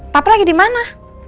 papa lagi dimana